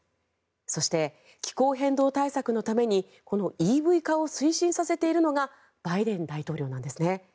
そして、気候変動対策のためにこのＥＶ化を推進させているのがバイデン大統領なんですね。